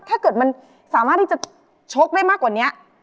ถ้าเกิดมันสามารถที่จะชกได้มากกว่านี้